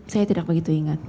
saya tidak begitu ingat